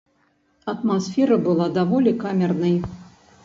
Атмасфера была даволі камернай.